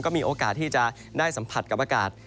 มีโอกาสที่จะได้สัมผัสกับอากาศ